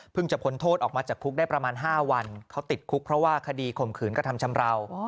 จะพ้นโทษออกมาจากคุกได้ประมาณ๕วันเขาติดคุกเพราะว่าคดีข่มขืนกระทำชำราว